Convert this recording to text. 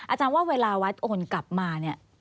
อาจารย์ว่าเวลาวัดโอนกลับมาเนี่ย